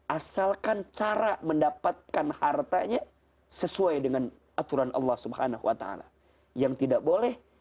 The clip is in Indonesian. asalkan cara mendapatkan hartanya sesuai dengan aturan allah subhanahu wa ta'ala yang tidak boleh